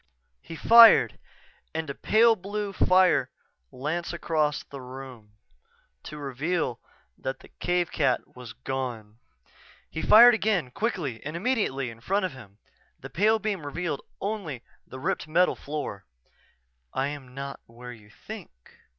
He fired and pale blue fire lanced across the room, to reveal that the cave cat was gone. He fired again, quickly and immediately in front of him. The pale beam revealed only the ripped metal floor. "_I am not where you think.